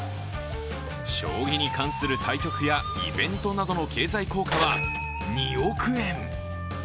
将棋に関する対局やイベントなどの経済効果は２億円。